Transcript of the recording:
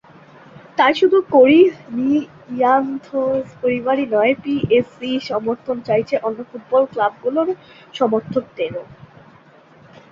তাই শুধু করিন্থিয়ানস পরিবারেরই নয়, পিএনসি সমর্থন চাইছে অন্য ফুটবল ক্লাবগুলোর সমর্থকদেরও।